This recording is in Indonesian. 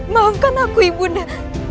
maafkan aku ibu nda